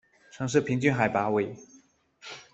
城市平均海拔为。